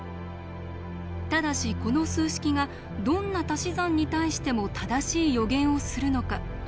ただしこの数式がどんなたし算に対しても正しい予言をするのか。